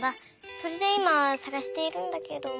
それでいまさがしているんだけど。